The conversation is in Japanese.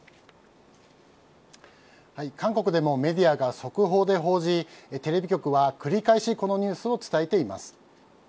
韓国でもメディアが速報で報じテレビ局は、繰り返しこのニュースを伝えています。